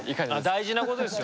大事なことですよ。